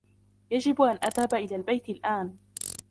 يجب أن أذهب إلى البيت الآن.